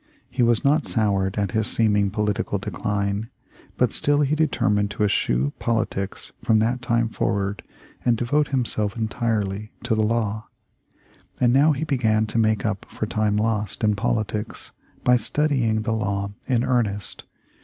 He was not soured at his seeming political decline, but still he determined to eschew politics from that time forward and devote himself entirely to the law. And now he began to make up for time lost in politics by studying the law in earnest.